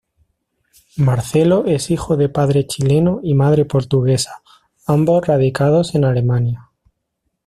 Marcelo es hijo de padre chileno y madre portuguesa, ambos radicados en Alemania.